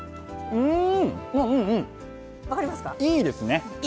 うん。